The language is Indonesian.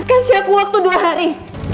kasih aku waktu dua hari